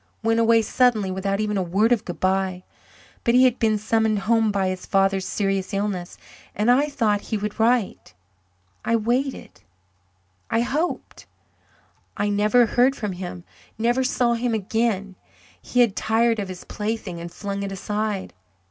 Went away suddenly without even a word of goodbye. But he had been summoned home by his father's serious illness, and I thought he would write I waited I hoped. I never heard from him never saw him again. He had tired of his plaything and flung it aside.